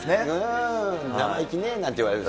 生意気ねなんて言われて。